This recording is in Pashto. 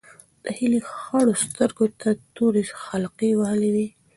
د هیلې خړو سترګو تورې حلقې وهلې وې.